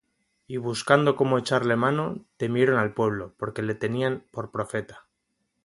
Y buscando cómo echarle mano, temieron al pueblo; porque le tenían por profeta.